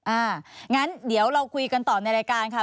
อย่างนั้นเดี๋ยวเราคุยกันต่อในรายการค่ะ